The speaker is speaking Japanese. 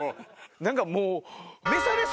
何かもう。